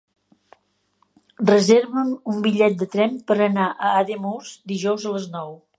Reserva'm un bitllet de tren per anar a Ademús dijous a les nou.